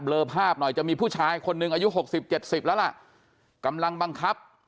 เบลอภาพหน่อยจะมีผู้ชายคนนึงอายุ๖๐๗๐แล้วล่ะกำลังบังคับ